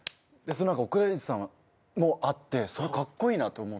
奥田瑛二さんもあってカッコイイなと思って。